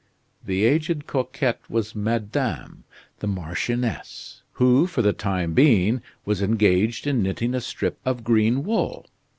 The aged coquette was Madame, the Marchioness, who, for the time being, was engaged in knitting a strip of green wool.